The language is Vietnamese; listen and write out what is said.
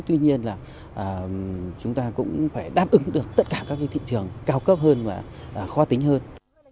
tuy nhiên là chúng ta cũng phải đáp ứng được tất cả các thị trường cao cấp hơn và khó tính hơn